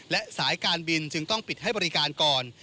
และสายการบินจึงต้องปิดให้บริการก่อน